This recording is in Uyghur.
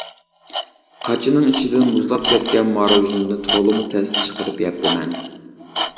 قاچىنىڭ ئىچىدىن مۇزلاپ كەتكەن ماروژنىنى تولىمۇ تەستە چىقىرىپ يەپتىمەن.